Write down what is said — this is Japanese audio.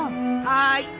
はい！